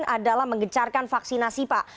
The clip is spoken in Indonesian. adalah mengecarkan vaksinasi pak